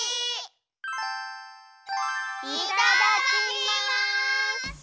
いただきます！